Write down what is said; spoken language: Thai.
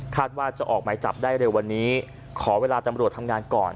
ว่าจะออกหมายจับได้เร็ววันนี้ขอเวลาตำรวจทำงานก่อน